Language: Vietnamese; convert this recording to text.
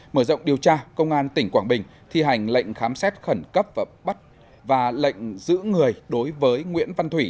mở rộng điều tra công an tỉnh quảng bình thi hành lệnh khám xét khẩn cấp và lệnh giữ người đối với nguyễn văn thủy